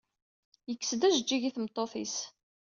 Yekkes-d ajeǧǧig i tmeṭṭut-is.